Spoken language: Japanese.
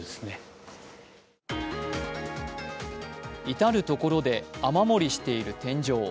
至る所で雨漏りしている天井。